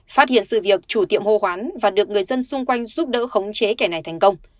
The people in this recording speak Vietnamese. phát hiện sự việc chủ tiệm hô hoán và được người dân xung quanh giúp đỡ khống chế kẻ này thành công